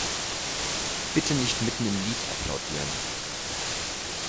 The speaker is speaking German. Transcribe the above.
Bitte nicht mitten im Lied applaudieren!